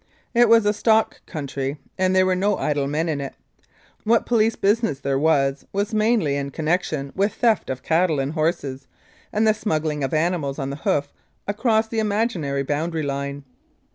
It was a stock country, and there were no idle men in it. What police business there was was mainly in connec tion with theft of cattle and horses, and the smuggling of animals on the hoof across the imaginary boundary line.